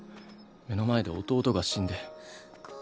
目の前で弟が死んで。